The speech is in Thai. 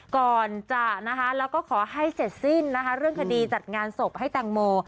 ก่อนจะนะคะแล้วก็ขอให้เสร็จสิ้นนะคะเรื่องคดีจัดงานศพให้แตงโม